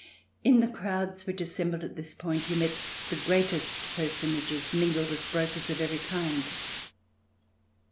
In the crowds which assembled at this point you met the greatest personages mingled with brokers of every kind.